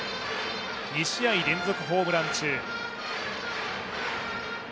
２試合連続ホームラン中。